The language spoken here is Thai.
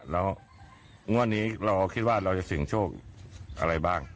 แล้วงวดนี้เราคิดว่าเราจะเสี่ยงโชคอะไรบ้าง